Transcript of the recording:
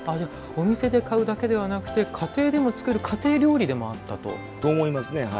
お店で買うだけではなくて家庭でも作る家庭料理でもあったと。と思いますね。